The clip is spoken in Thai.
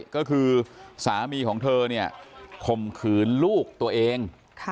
ก็คือสามีของเธอเนี่ยข่มขืนลูกตัวเอง